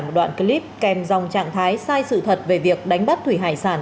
một đoạn clip kèm dòng trạng thái sai sự thật về việc đánh bắt thủy hải sản